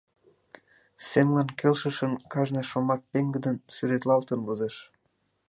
Семлан келшышын, кажне шомак пеҥгыдын, сӱретлалтын возеш.